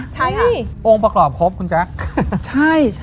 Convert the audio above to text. ใช่ค่ะโอ้งประกอบครบคุณแจ๊กใช่